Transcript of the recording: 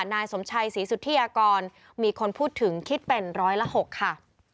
นายสมชัยศรีสุธิยากรมีคนพูดถึงคิดเป็นร้อยละ๖ค่ะ